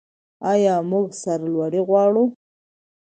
آیا موږ سرلوړي غواړو؟